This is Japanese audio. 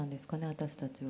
私たちは。